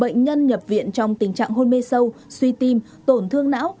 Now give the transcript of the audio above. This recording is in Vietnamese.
bệnh nhân nhập viện trong tình trạng hôn mê sâu suy tim tổn thương não